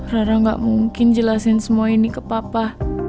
ra ra gak mungkin jelasin semua ini ke papa